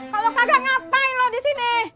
kalau kagak ngapain loh di sini